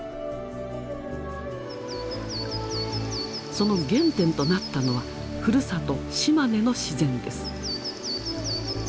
その原点となったのはふるさと島根の自然です。